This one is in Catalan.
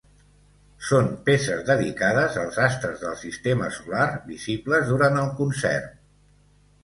Són peces dedicades als astres del sistema solar visibles durant el concert.